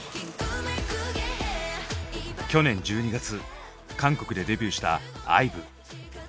去年１２月韓国でデビューしたＩＶＥ。